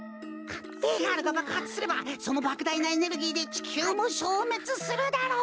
Ａガールがばくはつすればそのばくだいなエネルギーでちきゅうもしょうめつするだろう。